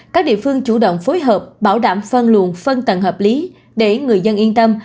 các địa phương chủ động phối hợp bảo đảm phân luồn phân tầng hợp lý để người dân yên tâm